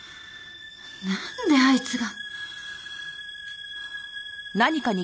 なんであいつが。